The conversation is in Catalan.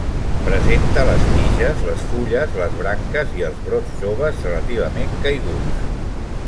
Presenta les tiges, les fulles, les branques i els brots joves relativament caiguts.